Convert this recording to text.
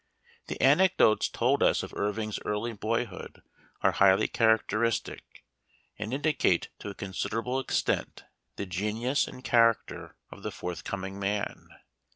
The anecdotes told us of Irving's early boy hood are highly characteristic, and indicate to a considerable extent the genius and character of the forthcoming man.